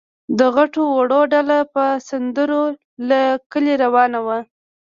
د غټو وړو ډله په سندرو له کلي روانه وه.